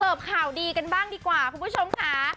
ข่าวดีกันบ้างดีกว่าคุณผู้ชมค่ะ